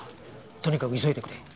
とにかく急いでくれ。